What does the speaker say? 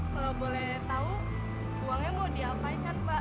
kalau boleh tahu uangnya mau diapaikan mbak